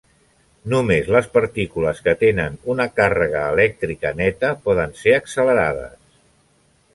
Només les partícules que tenen una càrrega elèctrica neta poden ser accelerades.